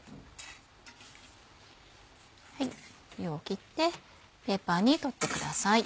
湯を切ってペーパーに取ってください。